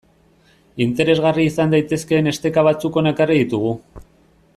Interesgarri izan daitezkeen esteka batzuk hona ekarri ditugu.